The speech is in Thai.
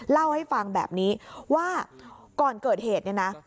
เล่าให้ฟังแบบนี้ว่าก่อนเกิดเหตุเนี่ยนะ